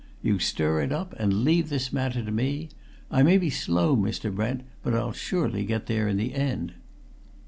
You stir it up, and leave this matter to me; I may be slow, Mr. Brent, but I'll surely get there in the end!"